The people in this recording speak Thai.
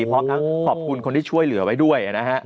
เพราะจากขอบคุณคนที่ช่วยเหลือไปด้วยนะฮะ